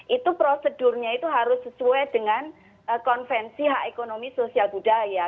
itu prosedurnya itu harus sesuai dengan konvensi hak ekonomi sosial budaya